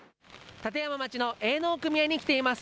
立山町の営農組合に来ています。